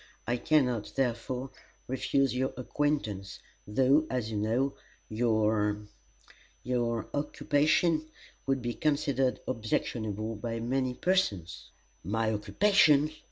I can not, therefore, refuse your acquaintance, though, as you know, your your occupation would be considered objectionable by many persons." "My occupation!"